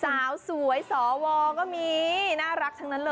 สาวสวยสวก็มีน่ารักทั้งนั้นเลย